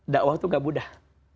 dakwah itu tidak mudah